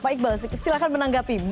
pak iqbal silakan menanggapi